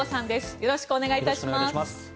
よろしくお願いします。